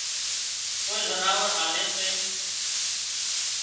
ڪوئي زناور آلي سي